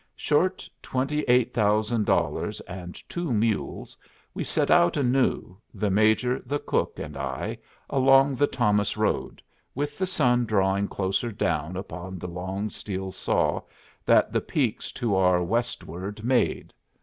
Short twenty eight thousand dollars and two mules, we set out anew, the Major, the cook, and I, along the Thomas road, with the sun drawing closer down upon the long steel saw that the peaks to our westward made.